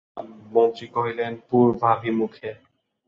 মন্ত্রী কহিলেন, পূর্বাভিমুখে।